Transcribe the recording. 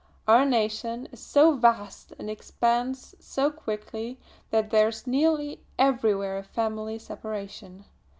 Our nation is so vast, and it expands so quickly, that there is nearly everywhere a family separation.